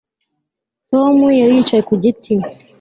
Tom yari yicaye ku giti